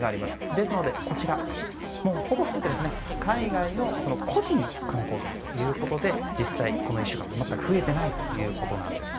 ですので、ほぼ全て海外の個人の観光客ということで実際、この１週間全く増えていないということなんです。